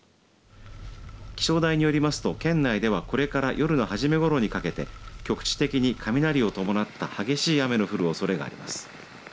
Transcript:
気象台によりますと、県内ではこれから夜の初めごろにかけて局地的に雷を伴った激しい雨の降るおそれがあります。